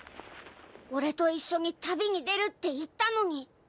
俺と一緒に旅に出るって言ったのに！